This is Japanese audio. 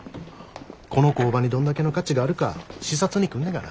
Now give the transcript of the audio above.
この工場にどんだけの価値があるか視察に来んねがな。